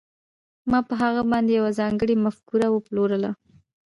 ما په هغه باندې یوه ځانګړې مفکوره وپلورله